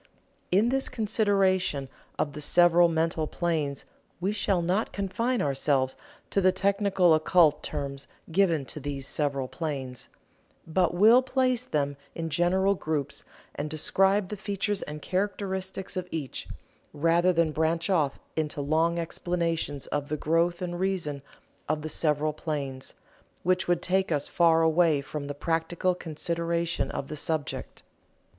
In this consideration of the several mental planes we shall not confine ourselves to the technical occult terms given to these several planes, but will place them in general groups and describe the features and characteristics of each, rather than branch off into long explanations of the growth and reason of the several planes, which would take us far away from the practical consideration of the subject.